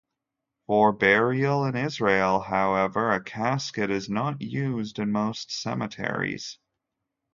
For burial in Israel, however, a casket is not used in most cemeteries.